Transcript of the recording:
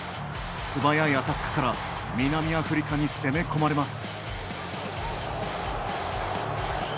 素早いアタックから南アフリカに攻め込まれます。